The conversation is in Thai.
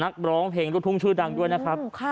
นักร้องเพลงลูกทุ่งชื่อดังด้วยนะครับ